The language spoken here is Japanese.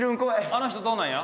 あの人どうなんや？